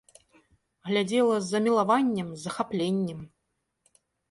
Глядзела з замілаваннем, з захапленнем.